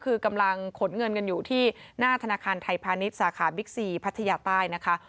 คือกำลังขนเงินกันอยู่ที่หน้าธนาคารไทยพาณิชย์สาขาบิ๊กซีพัทยาใต้นะคะ